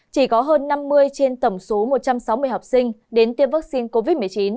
chỉ có hơn năm mươi trên tổng số một trăm sáu mươi học sinh đến tiêm vaccine covid một mươi chín